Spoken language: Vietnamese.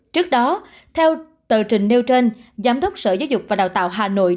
trước đó theo tờ trình nêu trên giám đốc sở giáo dục và đào tạo hà nội